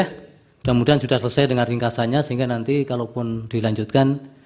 mudah mudahan sudah selesai dengan ringkasannya sehingga nanti kalaupun dilanjutkan